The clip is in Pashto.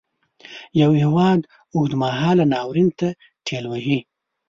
یو هیواد اوږد مهالي ناورین ته ټېل وهي.